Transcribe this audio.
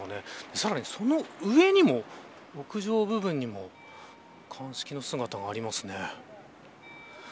さらにその上にも屋上部分にも鑑識の姿がありますね。